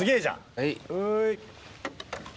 はい。